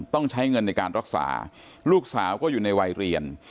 ต้องใช้เงินในการรักษาลูกสาวก็อยู่ในวัยเรียน